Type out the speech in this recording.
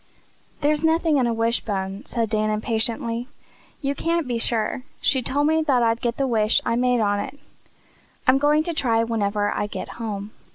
"There's nothing in a wishbone," said Dan impatiently. "You can't be sure. She TOLD me I'd get the wish I made on it. I'm going to try whenever I get home."